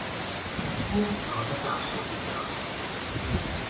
او حالت افسردهای داشت.